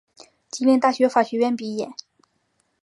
吉林大学法学院毕业。